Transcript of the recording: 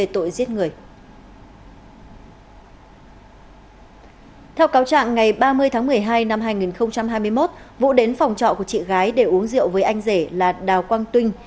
theo cáo trạng ngày ba mươi tháng một mươi hai năm hai nghìn hai mươi một vũ đến phòng trọ của chị gái để uống rượu với anh rể là đào quang vinh